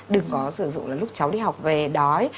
đừng có sử dụng là lúc cháu đi học về đói